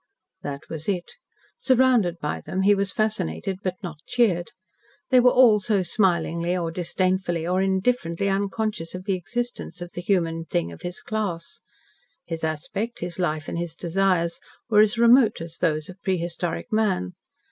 That was it. Surrounded by them, he was fascinated but not cheered. They were all so smilingly, or disdainfully, or indifferently unconscious of the existence of the human thing of his class. His aspect, his life, and his desires were as remote as those of prehistoric man.